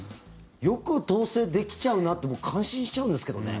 よく統制できちゃうなって僕、関心しちゃうんですけどね。